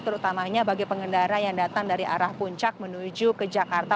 terutamanya bagi pengendara yang datang dari arah puncak menuju ke jakarta